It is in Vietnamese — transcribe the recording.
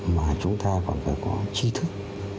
mà chúng ta còn phải có trí thức